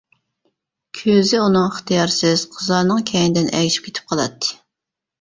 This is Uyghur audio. كۆزى ئۇنىڭ ئىختىيارسىز قىزلارنىڭ كەينىدىن ئەگىشىپ كېتىپ قالاتتى.